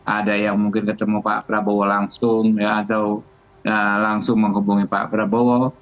ada yang mungkin ketemu pak prabowo langsung atau langsung menghubungi pak prabowo